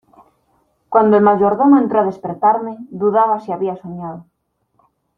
cuando el mayordomo entró a despertarme, dudaba si había soñado: